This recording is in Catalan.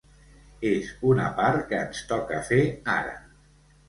És una part que ens toca fer ara.